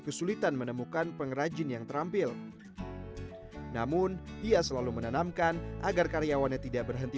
kesulitan menemukan pengrajin yang terampil namun ia selalu menanamkan agar karyawannya tidak berhenti